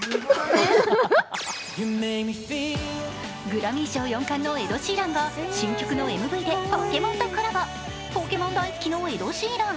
グラミー賞４冠のエド・シーランが新曲のＭＶでポケモンとコラボ、ポケモン大好きのエド・シーラン。